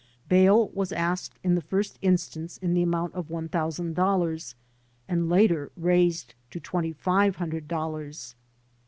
Bail was asked in the first instance in the amount of one thousand dollars and later raised to twenty five hundred dollars.